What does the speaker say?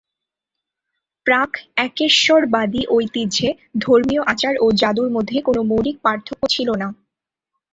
প্রাক-একেশ্বরবাদী ঐতিহ্যে, ধর্মীয় আচার ও জাদুর মধ্যে কোন মৌলিক পার্থক্য ছিল না।